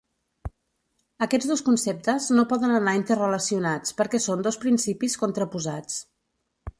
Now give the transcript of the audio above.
Aquests dos conceptes no poden anar interrelacionats perquè són dos principis contraposats.